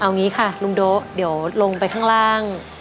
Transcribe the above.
เอางี้ค่ะลุงโด๊ะเดี๋ยวลงไปข้างล่าง